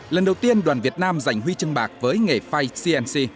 lần đầu tiên đoàn việt nam giành huy chương bạc với nghề fai cnc